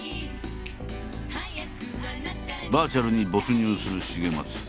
バーチャルに没入する重松。